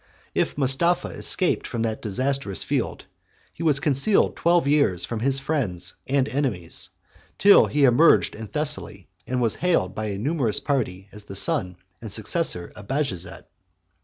If Mustapha escaped from that disastrous field, he was concealed twelve years from his friends and enemies; till he emerged in Thessaly, and was hailed by a numerous party, as the son and successor of Bajazet.